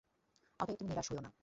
অতএব, তুমি নিরাশ হয়ো না।